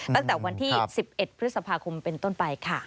ตั้งแต่วันที่๑๑พฤษภาคมเป็นต้นไปค่ะ